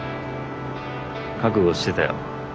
覚悟してたよ。